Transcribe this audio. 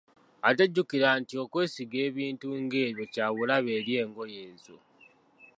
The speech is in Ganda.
Ate jjukira nti okwesiiga ebintu ng’ebyo kya bulabe eri engoye zo.